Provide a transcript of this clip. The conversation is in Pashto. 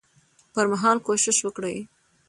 پر مهال کوشش وکړي